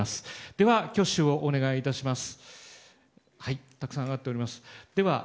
では、挙手をお願いいたします。